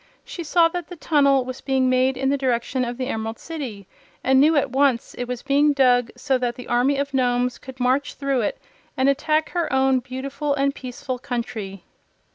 She saw that the tunnel was being made in the direction of the Emerald City, and knew at once it was being dug so that the army of Nomes could march through it and attack her own beautiful and peaceful country.